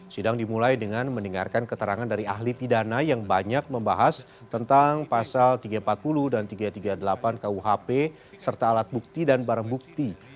sidang dimulai dengan mendengarkan keterangan dari ahli pidana yang banyak membahas tentang pasal tiga ratus empat puluh dan tiga ratus tiga puluh delapan kuhp serta alat bukti dan barang bukti